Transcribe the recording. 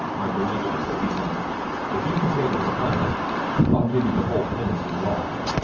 "My donation," he said. "If you can save this planet I'll give you the whole pinnace as well.